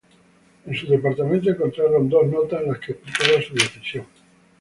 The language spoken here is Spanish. En su departamento encontraron dos notas en las que explicaba su decisión.